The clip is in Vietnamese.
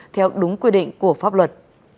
theo đúng quy định của pháp luật